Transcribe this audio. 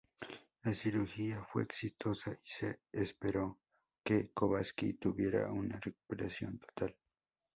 La cirugía fue exitosa y se esperó que Kobashi tuviera una recuperación total.